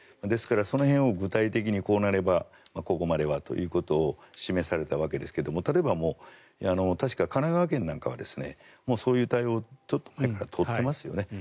ですから、その辺を具体的にこうなればここまではということを示されたわけですが例えば、確か神奈川県なんかはそういう対応をちょっと前から取っていますよね。